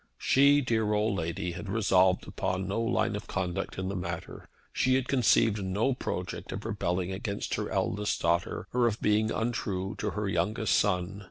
She, dear old lady, had resolved upon no line of conduct in the matter. She had conceived no project of rebelling against her eldest daughter, or of being untrue to her youngest son.